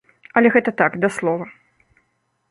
Але гэта так, да слова.